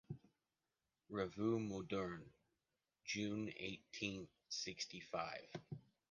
REVUE MODERNE, June eighteen sixty-five.